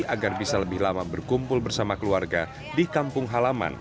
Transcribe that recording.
agar bisa lebih lama berkumpul bersama keluarga di kampung halaman